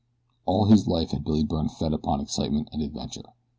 All his life had Billy Byrne fed upon excitement and adventure.